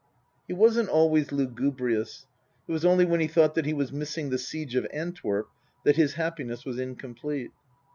He wasn't always lugubrious. It was only when he thought that he was missing the Siege of Antwerp that his happiness was incomplete.